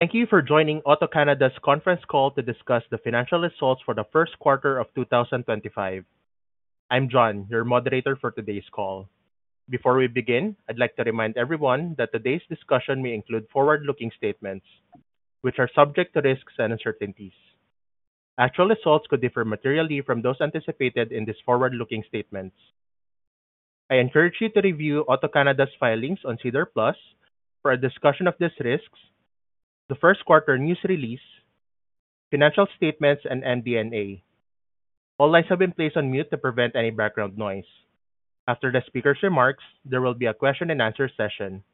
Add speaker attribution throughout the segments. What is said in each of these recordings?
Speaker 1: Thank you for joining AutoCanada's conference call to discuss the financial results for the first quarter of 2025. I'm John, your moderator for today's call. Before we begin, I'd like to remind everyone that today's discussion may include forward-looking statements, which are subject to risks and uncertainties. Actual results could differ materially from those anticipated in these forward-looking statements. I encourage you to review AutoCanada's filings on SEDAR+ for a discussion of these risks, the first quarter news release, financial statements, and MD&A. All lines have been placed on mute to prevent any background noise. After the speaker's remarks, there will be a question-and-answer session.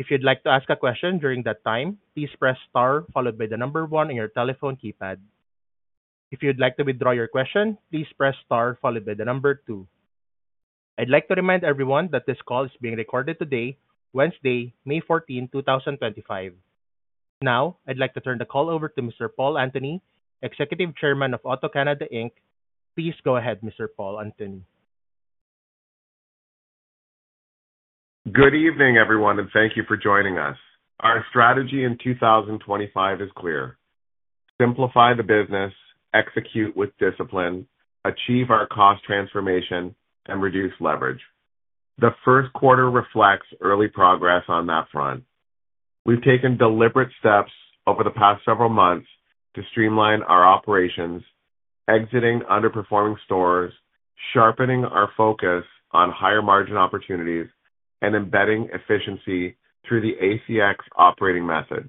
Speaker 1: If you'd like to ask a question during that time, please press * followed by the number one on your telephone keypad. If you'd like to withdraw your question, please press * followed by the number two. I'd like to remind everyone that this call is being recorded today, Wednesday, May 14, 2025. Now, I'd like to turn the call over to Mr. Paul Antony, Executive Chairman of AutoCanada. Please go ahead, Mr. Paul Antony.
Speaker 2: Good evening, everyone, and thank you for joining us. Our strategy in 2025 is clear: simplify the business, execute with discipline, achieve our cost transformation, and reduce leverage. The first quarter reflects early progress on that front. We have taken deliberate steps over the past several months to streamline our operations, exiting underperforming stores, sharpening our focus on higher margin opportunities, and embedding efficiency through the ACX operating method.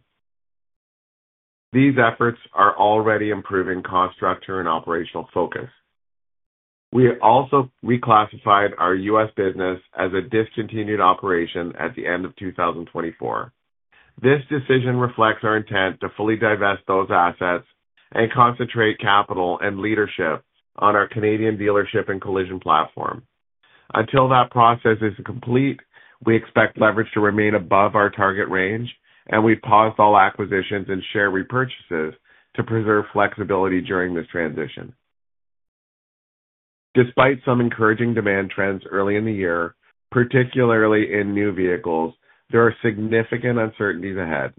Speaker 2: These efforts are already improving cost structure and operational focus. We also reclassified our U.S. business as a discontinued operation at the end of 2024. This decision reflects our intent to fully divest those assets and concentrate capital and leadership on our Canadian dealership and collision platform. Until that process is complete, we expect leverage to remain above our target range, and we have paused all acquisitions and share repurchases to preserve flexibility during this transition. Despite some encouraging demand trends early in the year, particularly in new vehicles, there are significant uncertainties ahead.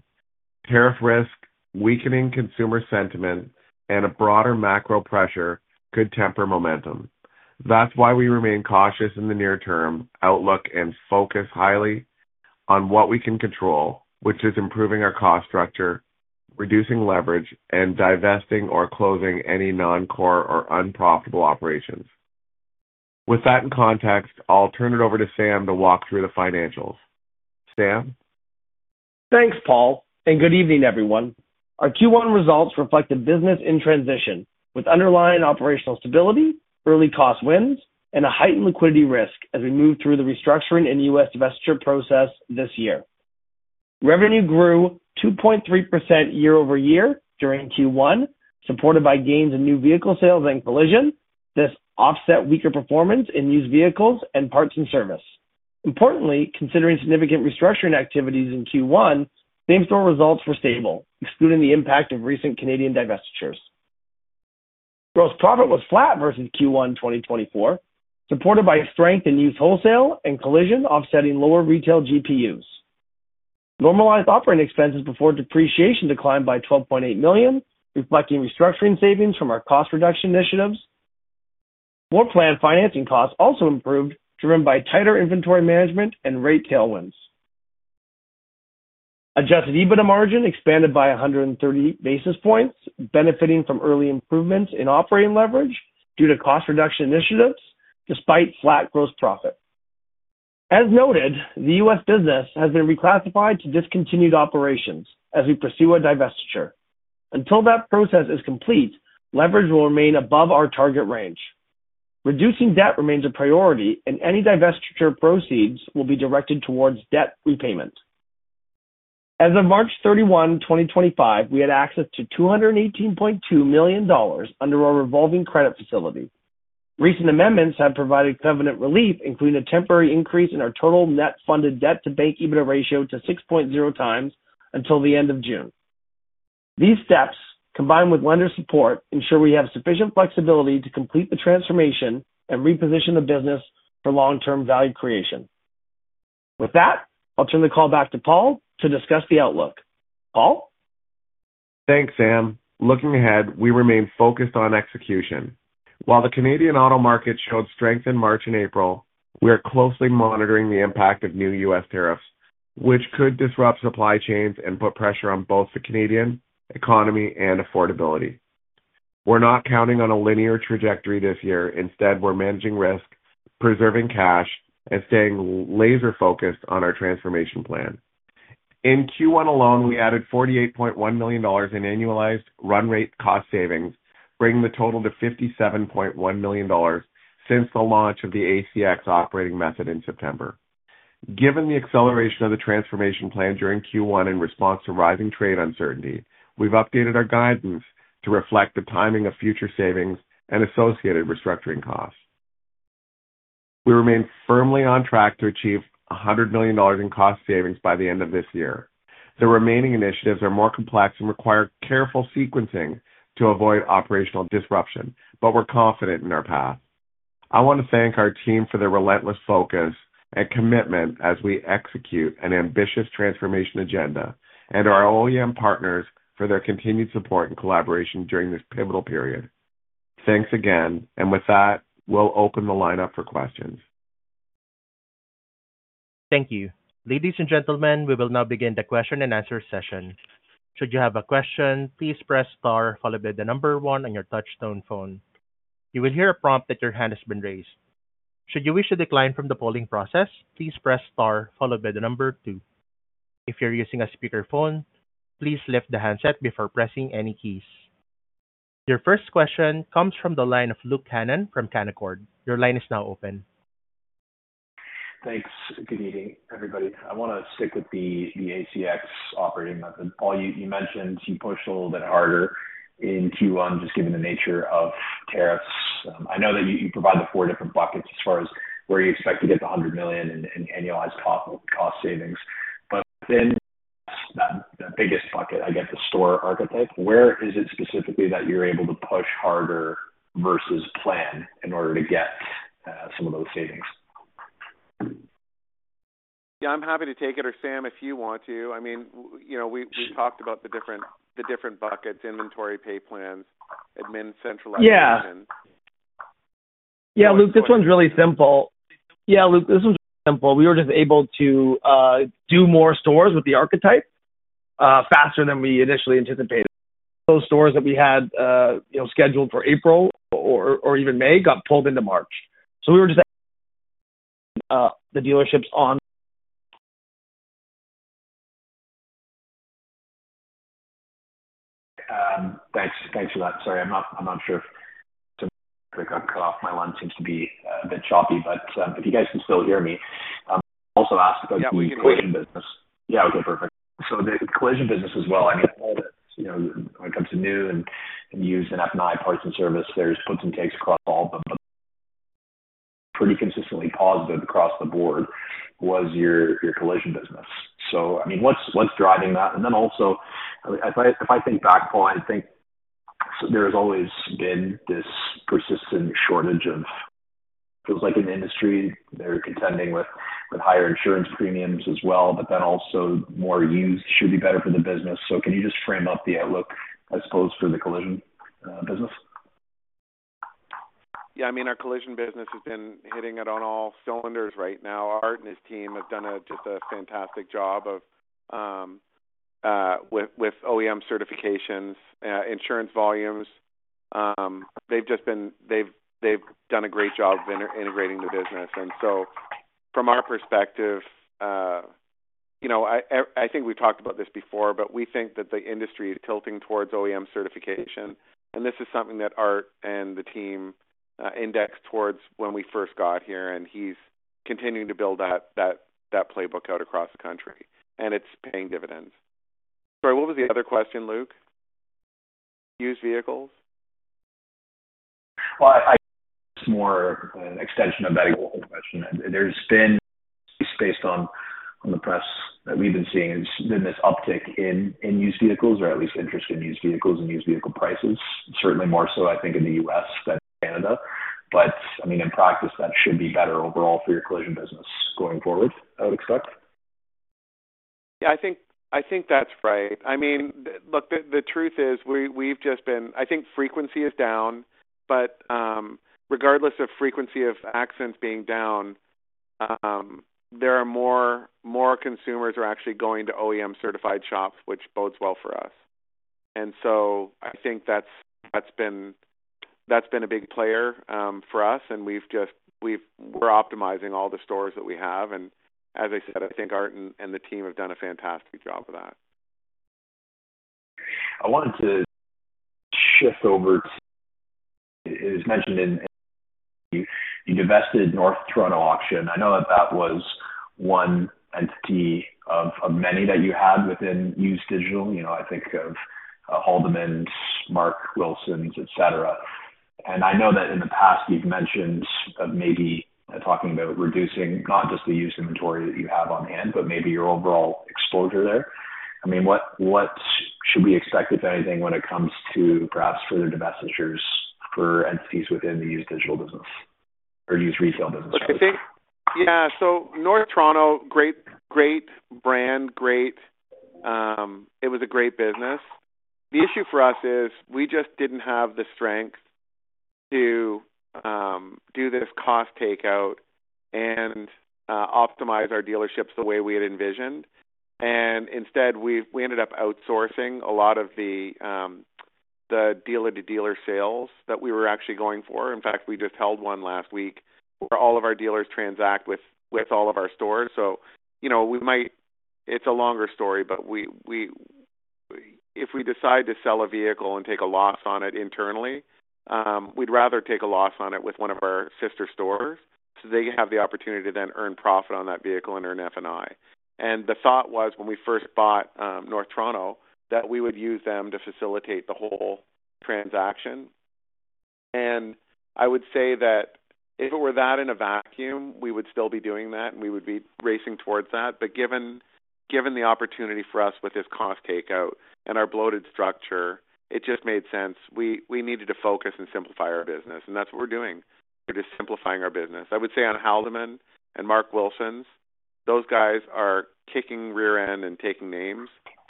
Speaker 2: Tariff risk, weakening consumer sentiment, and a broader macro pressure could temper momentum. That is why we remain cautious in the near term, outlook, and focus highly on what we can control, which is improving our cost structure, reducing leverage, and divesting or closing any non-core or unprofitable operations. With that in context, I'll turn it over to Sam to walk through the financials. Sam?
Speaker 3: Thanks, Paul, and good evening, everyone. Our Q1 results reflect a business in transition with underlying operational stability, early cost wins, and a heightened liquidity risk as we move through the restructuring and U.S. divestiture process this year. Revenue grew 2.3% year-over-year during Q1, supported by gains in new vehicle sales and collision. This offset weaker performance in used vehicles and parts and service. Importantly, considering significant restructuring activities in Q1, same-store results were stable, excluding the impact of recent Canadian divestitures. Gross profit was flat versus Q1 2024, supported by strength in used wholesale and collision offsetting lower retail GPUs. Normalized operating expenses before depreciation declined by 12.8 million, reflecting restructuring savings from our cost reduction initiatives. More planned financing costs also improved, driven by tighter inventory management and rate tailwinds. Adjusted EBITDA margin expanded by 130 basis points, benefiting from early improvements in operating leverage due to cost reduction initiatives despite flat gross profit. As noted, the U.S. business has been reclassified to discontinued operations as we pursue a divestiture. Until that process is complete, leverage will remain above our target range. Reducing debt remains a priority, and any divestiture proceeds will be directed towards debt repayment. As of March 31, 2025, we had access to 218.2 million dollars under our revolving credit facility. Recent amendments have provided covenant relief, including a temporary increase in our total net funded debt-to-bank EBITDA ratio to 6.0 times until the end of June. These steps, combined with lender support, ensure we have sufficient flexibility to complete the transformation and reposition the business for long-term value creation. With that, I'll turn the call back to Paul to discuss the outlook. Paul?
Speaker 2: Thanks, Sam. Looking ahead, we remain focused on execution. While the Canadian auto market showed strength in March and April, we are closely monitoring the impact of new U.S. tariffs, which could disrupt supply chains and put pressure on both the Canadian economy and affordability. We're not counting on a linear trajectory this year. Instead, we're managing risk, preserving cash, and staying laser-focused on our transformation plan. In Q1 alone, we added 48.1 million dollars in annualized run rate cost savings, bringing the total to 57.1 million dollars since the launch of the ACX Operating Method in September. Given the acceleration of the transformation plan during Q1 in response to rising trade uncertainty, we've updated our guidance to reflect the timing of future savings and associated restructuring costs. We remain firmly on track to achieve 100 million dollars in cost savings by the end of this year. The remaining initiatives are more complex and require careful sequencing to avoid operational disruption, but we're confident in our path. I want to thank our team for their relentless focus and commitment as we execute an ambitious transformation agenda, and our OEM partners for their continued support and collaboration during this pivotal period. Thanks again, and with that, we'll open the lineup for questions.
Speaker 1: Thank you. Ladies and gentlemen, we will now begin the question-and-answer session. Should you have a question, please press * followed by the number one on your touchstone phone. You will hear a prompt that your hand has been raised. Should you wish to decline from the polling process, please press * followed by the number two. If you're using a speakerphone, please lift the handset before pressing any keys. Your first question comes from the line of Luke Hannan from Canaccord Genuity. Your line is now open.
Speaker 4: Thanks. Good evening, everybody. I want to stick with the ACX Operating Method. Paul, you mentioned you pushed a little bit harder in Q1, just given the nature of tariffs. I know that you provide the four different buckets as far as where you expect to get the $100 million in annualized cost savings, but then that's the biggest bucket, I guess, the store archetype. Where is it specifically that you're able to push harder versus plan in order to get some of those savings?
Speaker 2: Yeah, I'm happy to take it, or Sam, if you want to. I mean, we've talked about the different buckets: inventory, pay plans, admin, centralization.
Speaker 3: Yeah, Luke, this one's really simple. We were just able to do more stores with the archetype faster than we initially anticipated. Those stores that we had scheduled for April or even May got pulled into March. We were just the dealerships on.
Speaker 4: Thanks for that. Sorry, I'm not sure if I cut off. My line seems to be a bit choppy, but if you guys can still hear me. I also asked about the collision business.
Speaker 2: Yeah, we can hear you.
Speaker 4: Yeah, okay, perfect. The collision business as well. I mean, when it comes to new and used and F&I parts and service, there's puts and takes across all of them, but pretty consistently positive across the board was your collision business. I mean, what's driving that? If I think back, Paul, I think there has always been this persistent shortage of it feels like an industry they're contending with higher insurance premiums as well, but then also more used should be better for the business. Can you just frame up the outlook, I suppose, for the collision business?
Speaker 2: Yeah, I mean, our collision business has been hitting it on all cylinders right now. Art and his team have done just a fantastic job with OEM Certifications, insurance volumes. They have done a great job of integrating the business. From our perspective, I think we have talked about this before, but we think that the industry is tilting towards OEM certification. This is something that Art and the team indexed towards when we first got here, and he is continuing to build that playbook out across the country, and it is paying dividends. Sorry, what was the other question, Luke? Used vehicles?
Speaker 4: It is more an extension of that old question. There has been, at least based on the press that we have been seeing, this uptick in used vehicles, or at least interest in used vehicles and used vehicle prices, certainly more so, I think, in the U.S. than in Canada. I mean, in practice, that should be better overall for your collision business going forward, I would expect.
Speaker 2: Yeah, I think that's right. I mean, look, the truth is we've just been, I think frequency is down, but regardless of frequency of accidents being down, there are more consumers who are actually going to OEM-Certified shops, which bodes well for us. I think that's been a big player for us, and we're optimizing all the stores that we have. As I said, I think Art and the team have done a fantastic job of that.
Speaker 4: I wanted to shift over to, it was mentioned you divested North Toronto Auction. I know that that was one entity of many that you had within used digital. I think of Haldimand, Mark Wilson's, etc. And I know that in the past you've mentioned maybe talking about reducing not just the used inventory that you have on hand, but maybe your overall exposure there. I mean, what should we expect, if anything, when it comes to perhaps further divestitures for entities within the used digital business or used retail business?
Speaker 2: Yeah, so North Toronto, great brand, great. It was a great business. The issue for us is we just did not have the strength to do this cost takeout and optimize our dealerships the way we had envisioned. Instead, we ended up outsourcing a lot of the dealer-to-dealer sales that we were actually going for. In fact, we just held one last week where all of our dealers transact with all of our stores. It is a longer story, but if we decide to sell a vehicle and take a loss on it internally, we would rather take a loss on it with one of our sister stores so they have the opportunity to then earn profit on that vehicle and earn F&I. The thought was when we first bought North Toronto that we would use them to facilitate the whole transaction. I would say that if it were that in a vacuum, we would still be doing that, and we would be racing towards that. Given the opportunity for us with this cost takeout and our bloated structure, it just made sense. We needed to focus and simplify our business, and that's what we're doing. We're just simplifying our business. I would say on Haldimand and Mark Wilson's, those guys are kicking rear end and taking names,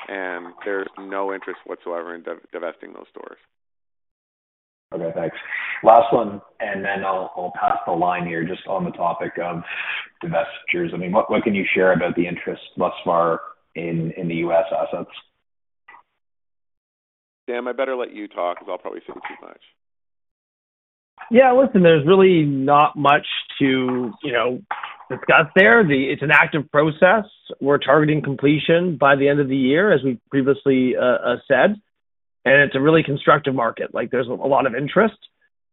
Speaker 2: and there's no interest whatsoever in divesting those stores.
Speaker 4: Okay, thanks. Last one, and then I'll pass the line here just on the topic of divestitures. I mean, what can you share about the interest thus far in the U.S. assets?
Speaker 2: Sam, I better let you talk because I'll probably say too much.
Speaker 3: Yeah, listen, there's really not much to discuss there. It's an active process. We're targeting completion by the end of the year, as we previously said, and it's a really constructive market. There's a lot of interest,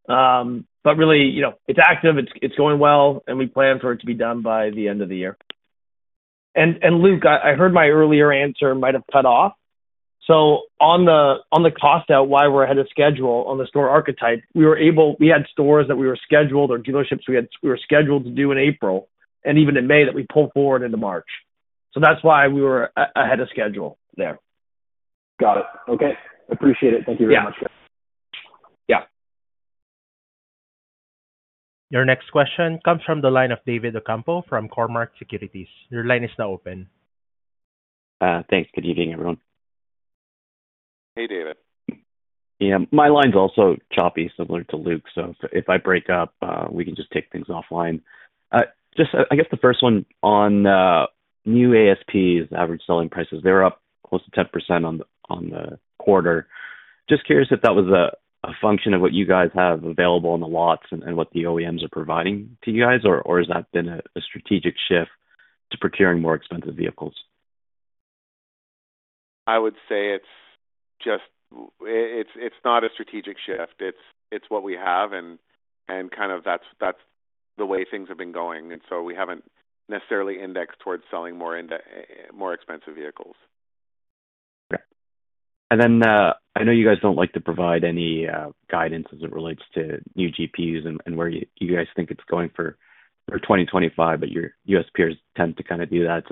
Speaker 3: but really, it's active. It's going well, and we plan for it to be done by the end of the year. Luke, I heard my earlier answer might have cut off. On the cost out, why we're ahead of schedule on the store archetype, we had stores that we were scheduled or dealerships we were scheduled to do in April and even in May that we pulled forward into March. That's why we were ahead of schedule there.
Speaker 4: Got it. Okay. Appreciate it. Thank you very much, guys.
Speaker 3: Yeah.
Speaker 1: Your next question comes from the line of David Ocampo from Cormark Securities. Your line is now open.
Speaker 5: Thanks. Good evening, everyone.
Speaker 2: Hey, David.
Speaker 5: Yeah, my line's also choppy, similar to Luke's. If I break up, we can just take things offline. Just, I guess, the first one on New ASPs, average selling prices. They were up close to 10% on the quarter. Just curious if that was a function of what you guys have available in the lots and what the OEMs are providing to you guys, or has that been a strategic shift to procuring more expensive vehicles?
Speaker 2: I would say it's not a strategic shift. It's what we have, and kind of that's the way things have been going. We haven't necessarily indexed towards selling more expensive vehicles.
Speaker 5: Okay. I know you guys do not like to provide any guidance as it relates to new GPUs and where you guys think it is going for 2025, but your U.S. peers tend to kind of do that.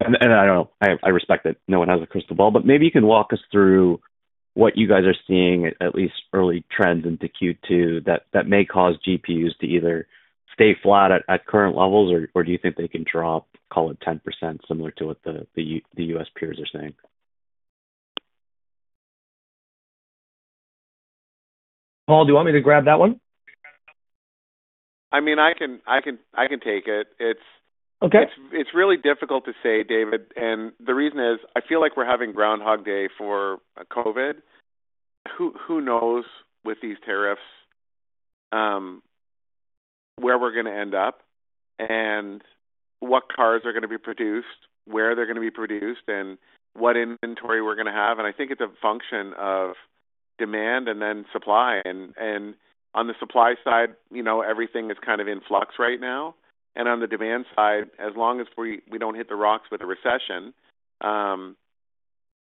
Speaker 5: I do not know. I respect that no one has a crystal ball, but maybe you can walk us through what you guys are seeing, at least early trends into Q2 that may cause GPUs to either stay flat at current levels, or do you think they can drop, call it 10%, similar to what the U.S. peers are saying?
Speaker 3: Paul, do you want me to grab that one?
Speaker 2: I mean, I can take it. It's really difficult to say, David. The reason is I feel like we're having Groundhog Day for COVID. Who knows with these tariffs where we're going to end up and what cars are going to be produced, where they're going to be produced, and what inventory we're going to have. I think it's a function of demand and then supply. On the supply side, everything is kind of in flux right now. On the demand side, as long as we don't hit the rocks with a recession,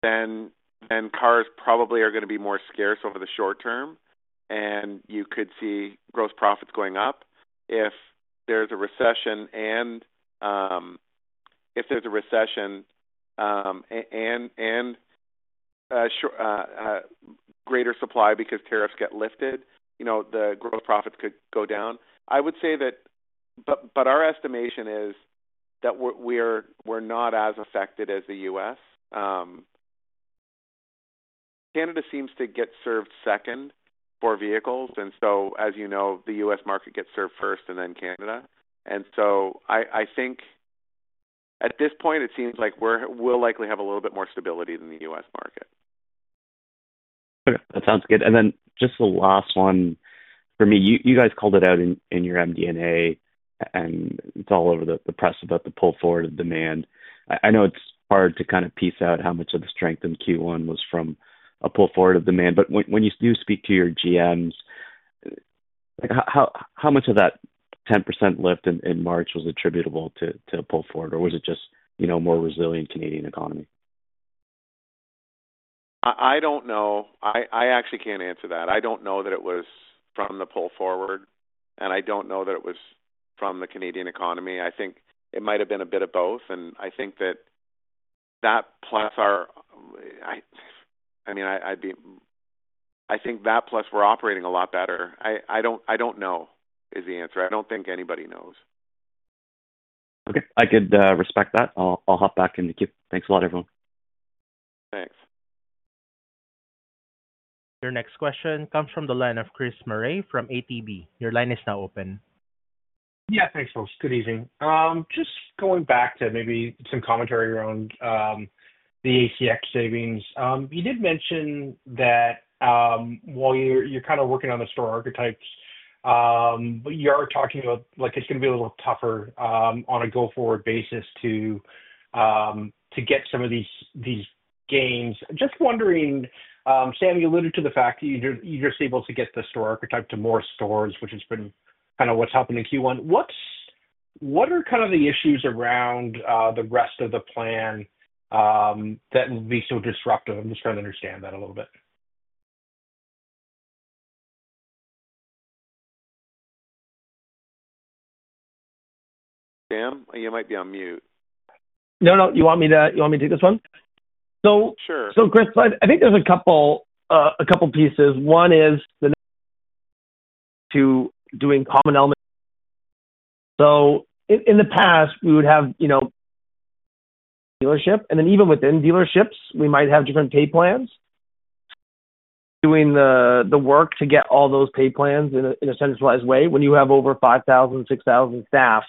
Speaker 2: then cars probably are going to be more scarce over the short term, and you could see gross profits going up. If there's a recession and if there's a recession and greater supply because tariffs get lifted, the gross profits could go down. I would say that, but our estimation is that we're not as affected as the U.S. Canada seems to get served second for vehicles. As you know, the U.S. market gets served first and then Canada. I think at this point, it seems like we'll likely have a little bit more stability than the U.S. market.
Speaker 5: Okay. That sounds good. Just the last one for me. You guys called it out in your MD&A, and it's all over the press about the pull forward of demand. I know it's hard to kind of piece out how much of the strength in Q1 was from a pull forward of demand, but when you do speak to your GMs, how much of that 10% lift in March was attributable to a pull forward, or was it just more resilient Canadian economy?
Speaker 2: I don't know. I actually can't answer that. I don't know that it was from the pull forward, and I don't know that it was from the Canadian economy. I think it might have been a bit of both. I think that plus our, I mean, I think that plus we're operating a lot better. I don't know is the answer. I don't think anybody knows.
Speaker 5: Okay. I could respect that. I'll hop back in the queue. Thanks a lot, everyone.
Speaker 2: Thanks.
Speaker 1: Your next question comes from the line of Chris Murray from ATB Financial. Your line is now open.
Speaker 6: Yeah, thanks, folks. Good evening. Just going back to maybe some commentary around the ACX savings. You did mention that while you're kind of working on the store archetypes, you are talking about it's going to be a little tougher on a go-forward basis to get some of these gains. Just wondering, Sam, you alluded to the fact that you're just able to get the store archetype to more stores, which has been kind of what's happened in Q1. What are kind of the issues around the rest of the plan that will be so disruptive? I'm just trying to understand that a little bit.
Speaker 2: Sam, you might be on mute.
Speaker 3: No, no. You want me to take this one?
Speaker 6: Sure.
Speaker 3: Chris, I think there's a couple pieces. One is the doing common elements. In the past, we would have dealership, and then even within dealerships, we might have different pay plans. Doing the work to get all those pay plans in a centralized way, when you have over 5,000-6,000 staff,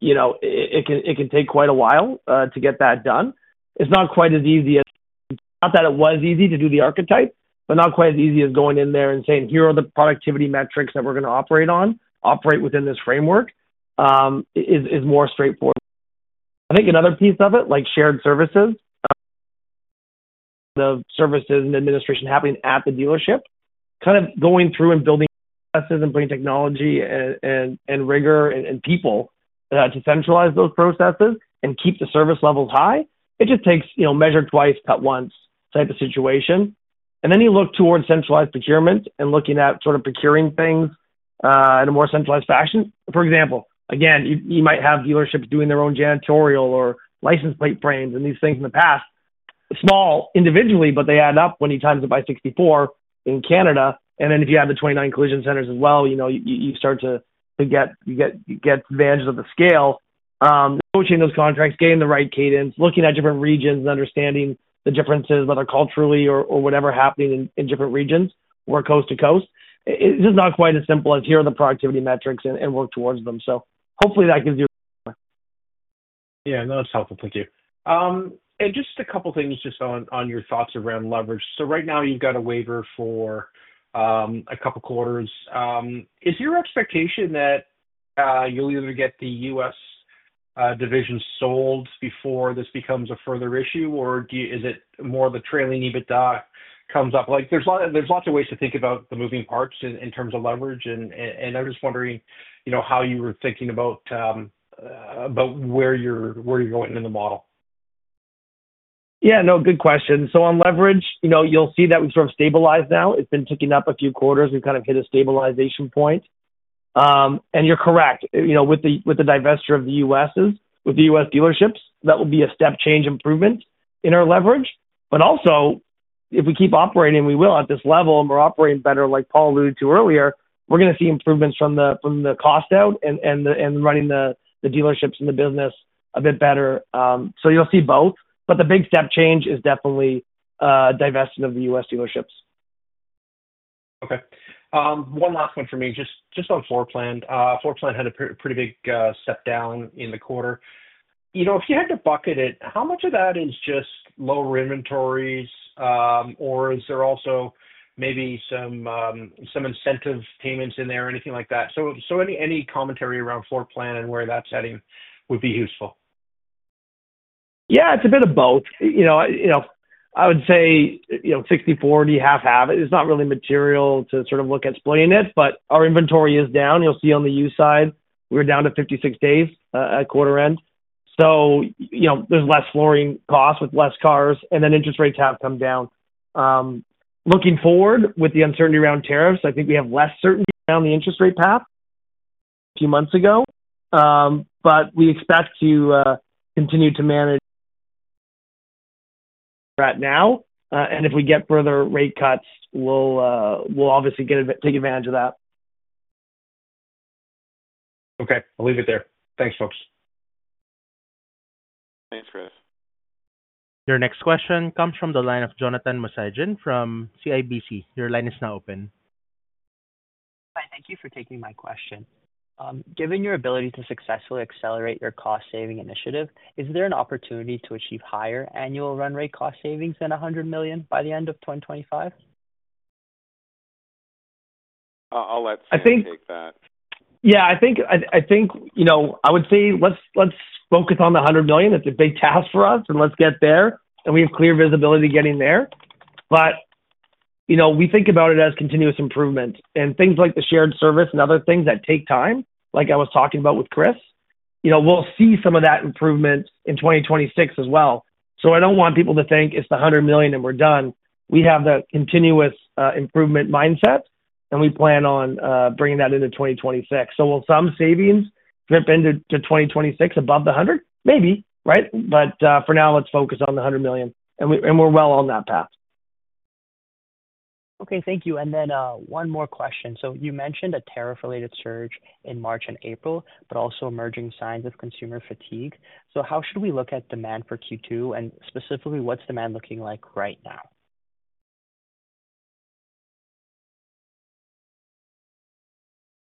Speaker 3: it can take quite a while to get that done. It's not quite as easy as, not that it was easy to do the archetype, but not quite as easy as going in there and saying, "Here are the productivity metrics that we're going to operate on. Operate within this framework," is more straightforward. I think another piece of it, like shared services, the services and administration happening at the dealership, kind of going through and building processes and putting technology and rigor and people to centralize those processes and keep the service levels high. It just takes measure twice, cut once type of situation. You look towards centralized procurement and looking at sort of procuring things in a more centralized fashion. For example, again, you might have dealerships doing their own janitorial or license plate frames and these things in the past, small individually, but they add up when you times it by 64 in Canada. If you have the 29 collision centers as well, you start to get advantage of the scale, approaching those contracts, getting the right cadence, looking at different regions and understanding the differences whether culturally or whatever happening in different regions or coast to coast. It is just not quite as simple as, "Here are the productivity metrics and work towards them." Hopefully that gives you.
Speaker 6: Yeah, no, that's helpful. Thank you. Just a couple of things just on your thoughts around leverage. Right now, you've got a waiver for a couple of quarters. Is your expectation that you'll either get the U.S. division sold before this becomes a further issue, or is it more the trailing EBITDA comes up? There are lots of ways to think about the moving parts in terms of leverage, and I'm just wondering how you were thinking about where you're going in the model.
Speaker 3: Yeah, no, good question. On leverage, you'll see that we've sort of stabilized now. It's been ticking up a few quarters. We've kind of hit a stabilization point. You're correct. With the divestiture of the U.S. dealerships, that will be a step change improvement in our leverage. Also, if we keep operating at this level, and we're operating better, like Paul alluded to earlier, we're going to see improvements from the cost out and running the dealerships and the business a bit better. You'll see both. The big step change is definitely divesting of the U.S. dealerships.
Speaker 6: Okay. One last one for me. Just on floor plan. Floor plan had a pretty big step down in the quarter. If you had to bucket it, how much of that is just lower inventories, or is there also maybe some incentive payments in there, anything like that? Any commentary around floor plan and where that's heading would be useful.
Speaker 3: Yeah, it's a bit of both. I would say 60/40, half, half. It's not really material to sort of look at splitting it, but our inventory is down. You'll see on the U side, we're down to 56 days at quarter end. So there's less flooring cost with less cars, and then interest rates have come down. Looking forward, with the uncertainty around tariffs, I think we have less certainty around the interest rate path. A few months ago, but we expect to continue to manage right now. If we get further rate cuts, we'll obviously take advantage of that.
Speaker 6: Okay. I'll leave it there. Thanks, folks.
Speaker 2: Thanks, Chris.
Speaker 1: Your next question comes from the line of Jonathan Mosaicin from CIBC. Your line is now open.
Speaker 7: Hi, thank you for taking my question. Given your ability to successfully accelerate your cost-saving initiative, is there an opportunity to achieve higher annual run rate cost savings than 100 million by the end of 2025?
Speaker 2: I'll let Sam take that.
Speaker 3: Yeah, I think I would say let's focus on the 100 million. It's a big task for us, and let's get there. We have clear visibility getting there. We think about it as continuous improvement. Things like the shared service and other things that take time, like I was talking about with Chris, we'll see some of that improvement in 2026 as well. I don't want people to think it's the 100 million and we're done. We have the continuous improvement mindset, and we plan on bringing that into 2026. Will some savings drip into 2026 above the 100? Maybe, right? For now, let's focus on the 100 million, and we're well on that path.
Speaker 7: Okay. Thank you. And then one more question. You mentioned a tariff-related surge in March and April, but also emerging signs of consumer fatigue. How should we look at demand for Q2, and specifically, what's demand looking like right now?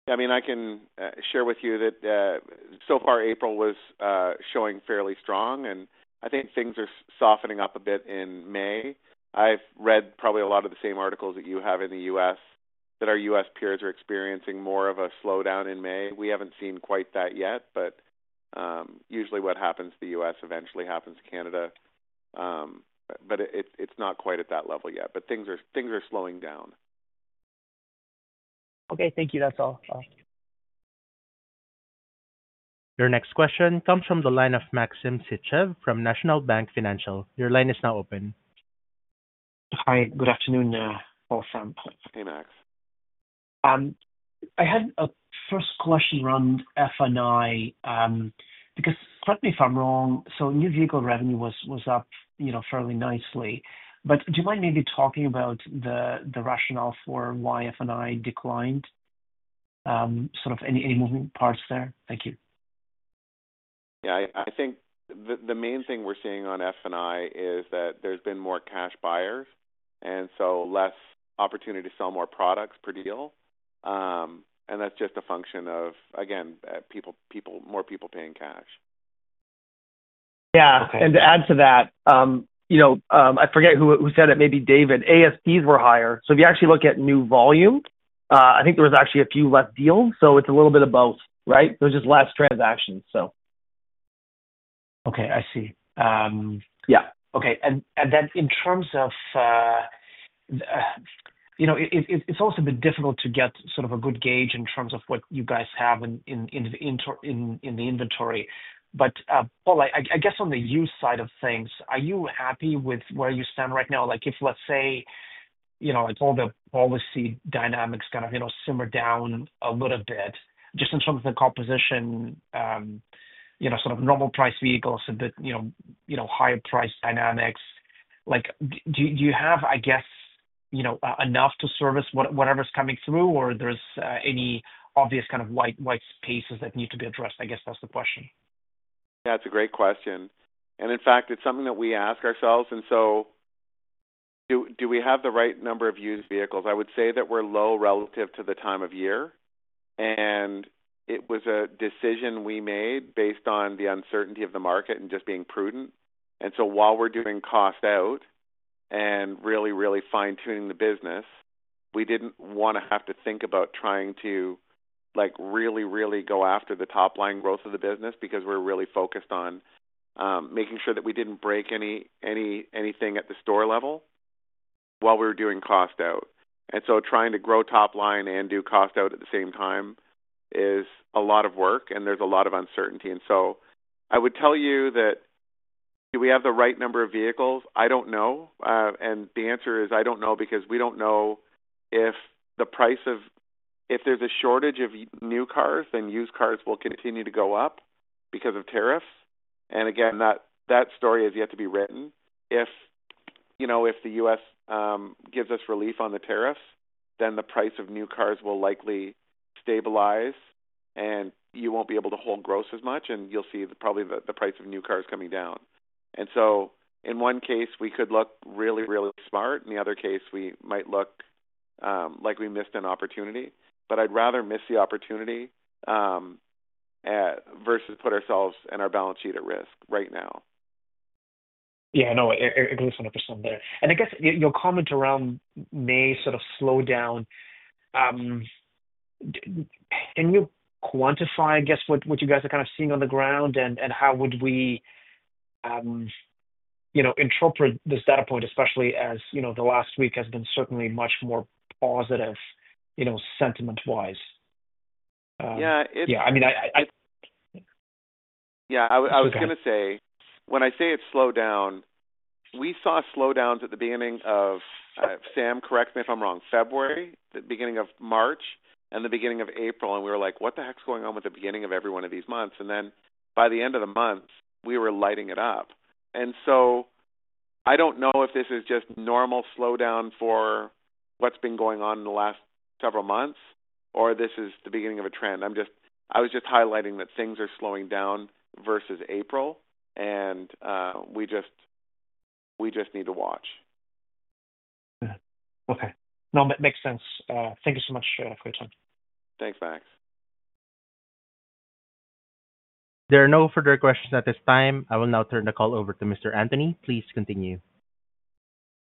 Speaker 2: I mean, I can share with you that so far, April was showing fairly strong, and I think things are softening up a bit in May. I've read probably a lot of the same articles that you have in the U.S. that our U.S. peers are experiencing more of a slowdown in May. We haven't seen quite that yet, but usually what happens to the U.S. eventually happens to Canada. It's not quite at that level yet, but things are slowing down.
Speaker 7: Okay. Thank you. That's all.
Speaker 1: Your next question comes from the line of Maxim Sytchev from National Bank Financial. Your line is now open.
Speaker 8: Hi. Good afternoon, Paul Sam.
Speaker 2: Hey, Max.
Speaker 8: I had a first question around F&I because correct me if I'm wrong. New vehicle revenue was up fairly nicely, but do you mind maybe talking about the rationale for why F&I declined? Sort of any moving parts there? Thank you.
Speaker 2: Yeah. I think the main thing we're seeing on F&I is that there's been more cash buyers, and so less opportunity to sell more products per deal. That's just a function of, again, more people paying cash.
Speaker 3: Yeah. To add to that, I forget who said it, maybe David, ASPs were higher. If you actually look at new volume, I think there was actually a few less deals. It is a little bit of both, right? There are just less transactions.
Speaker 8: Okay. I see. Yeah. Okay. In terms of it's also been difficult to get sort of a good gauge in terms of what you guys have in the inventory. Paul, I guess on the U side of things, are you happy with where you stand right now? If, let's say, all the policy dynamics kind of simmer down a little bit, just in terms of the composition, sort of normal price vehicles, a bit higher price dynamics, do you have, I guess, enough to service whatever's coming through, or there's any obvious kind of white spaces that need to be addressed? I guess that's the question.
Speaker 2: That's a great question. In fact, it's something that we ask ourselves. Do we have the right number of used vehicles? I would say that we're low relative to the time of year, and it was a decision we made based on the uncertainty of the market and just being prudent. While we're doing cost out and really, really fine-tuning the business, we didn't want to have to think about trying to really, really go after the top-line growth of the business because we're really focused on making sure that we didn't break anything at the store level while we were doing cost out. Trying to grow top-line and do cost out at the same time is a lot of work, and there's a lot of uncertainty. I would tell you that do we have the right number of vehicles? I don't know. The answer is I don't know because we don't know if the price of, if there's a shortage of new cars, then used cars will continue to go up because of tariffs. Again, that story has yet to be written. If the U.S. gives us relief on the tariffs, then the price of new cars will likely stabilize, and you won't be able to hold gross as much, and you'll see probably the price of new cars coming down. In one case, we could look really, really smart, and in the other case, we might look like we missed an opportunity. I'd rather miss the opportunity versus put ourselves and our balance sheet at risk right now.
Speaker 8: Yeah. No, agreed 100% there. I guess your comment around May sort of slow down. Can you quantify, I guess, what you guys are kind of seeing on the ground, and how would we interpret this data point, especially as the last week has been certainly much more positive sentiment-wise?
Speaker 2: Yeah. I mean, yeah, I was going to say, when I say it slowed down, we saw slowdowns at the beginning of—Sam, correct me if I'm wrong—February, the beginning of March, and the beginning of April. We were like, "What the heck's going on with the beginning of every one of these months?" By the end of the month, we were lighting it up. I don't know if this is just normal slowdown for what's been going on in the last several months, or this is the beginning of a trend. I was just highlighting that things are slowing down versus April, and we just need to watch.
Speaker 8: Okay. No, that makes sense. Thank you so much for your time.
Speaker 2: Thanks, Max.
Speaker 1: There are no further questions at this time. I will now turn the call over to Mr. Antony. Please continue.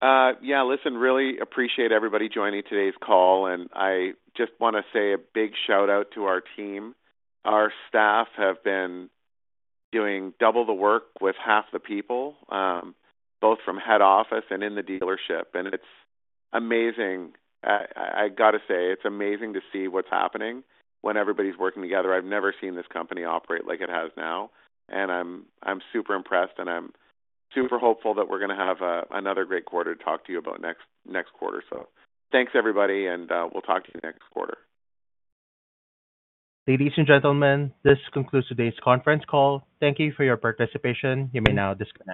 Speaker 2: Yeah. Listen, really appreciate everybody joining today's call, and I just want to say a big shout-out to our team. Our staff have been doing double the work with half the people, both from head office and in the dealership. It's amazing. I got to say, it's amazing to see what's happening when everybody's working together. I've never seen this company operate like it has now, and I'm super impressed, and I'm super hopeful that we're going to have another great quarter to talk to you about next quarter. Thanks, everybody, and we'll talk to you next quarter.
Speaker 1: Ladies and gentlemen, this concludes today's conference call. Thank you for your participation. You may now disconnect.